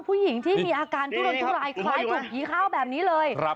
ผู้หญิงที่มีอาการทุรนทุรายคล้ายถูกผีเข้าแบบนี้เลย